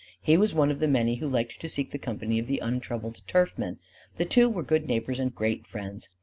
He was one of the many who liked to seek the company of the untroubled turfman. The two were good neighbors and great friends.